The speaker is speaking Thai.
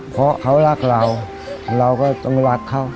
เพราะเขารักเราเราก็ต้องรักเขา